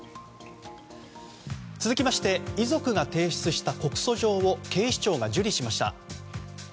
続きまして遺族が提出した告訴状を警視庁が受理しました。